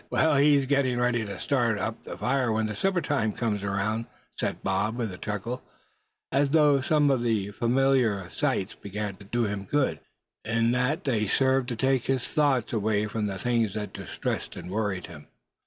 "Getting kindling ready to start up the fire, when supper time comes around," said Bob, with a chuckle, as though some of these familiar sights began to do him good, in that they served to take his thoughts away from the things that distressed and worried him.